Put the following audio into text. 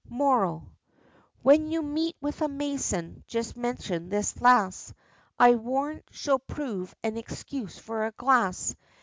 Moral. When you meet with a mason, just mention this lass; I warrant she'll prove an excuse for a glass!